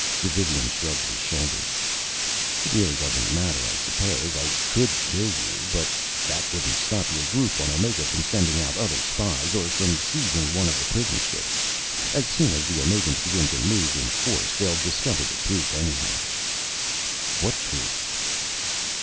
Dravivian shrugged his shoulders. "It really doesn't matter. I suppose I could kill you. But that wouldn't stop your group on Omega from sending out other spies, or from seizing one of the prison ships. As soon as the Omegans begin to move in force, they'll discover the truth anyhow." "What truth?"